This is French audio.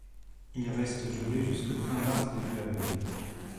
Il reste gelé jusque fin mars-début avril.